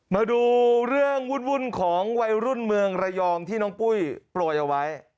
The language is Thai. มาดูเรื่องวุ่นของวัยรุ่นเมืองระยองที่น้องปุ้ยโปรยเอาไว้